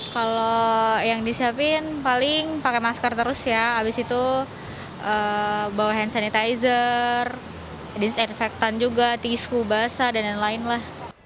kalau yang disiapin paling pakai masker terus ya abis itu bawa hand sanitizer disinfektan juga tisu basah dan lain lain lah